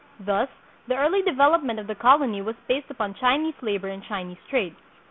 Thus the early development of the colony was based upon Chinese labor and Chinese trade.